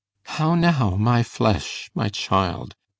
How now, my flesh? my child?